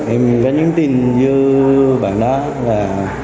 em có những tin như bạn đó là